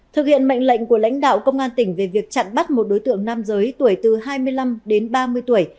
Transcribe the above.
thực hiện mệnh lệnh của lãnh đạo công an tỉnh về việc chặn bắt một đối tượng nam giới tuổi từ hai mươi năm đến ba mươi tuổi